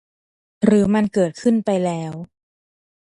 หรือมันเกิดขึ้นไปแล้ว